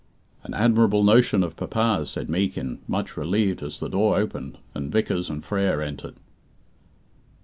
"An admirable notion of papa's," said Meekin, much relieved as the door opened, and Vickers and Frere entered.